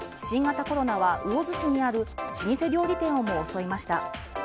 新型コロナは魚津市にある老舗料理店をも襲いました。